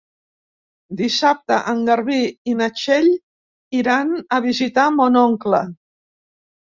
Dissabte en Garbí i na Txell iran a visitar mon oncle.